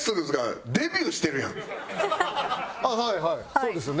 そうですよね？